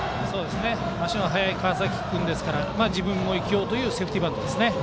足の速い川崎君ですから自分も生きようというセーフティーバントです。